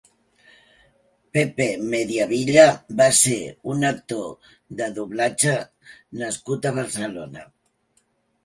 Pepe Mediavilla va ser un actor de doblatje nascut a Barcelona.